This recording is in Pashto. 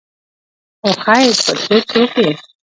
خو خېر په تلو تلو کښې